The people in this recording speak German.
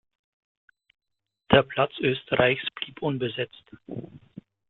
Der Platz Österreichs blieb unbesetzt.